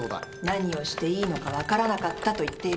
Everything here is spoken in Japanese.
何をしていいのか分からなかったと言っている。